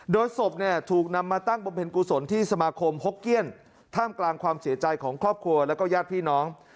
โดยศพเนี่ยถูกนำมาตั้งบำเพ็ญกุศลที่สมาคมฮกเกี้ยนท่ามกลางความเสียใจของครอบครัวแล้วก็ญาติพี่น้อง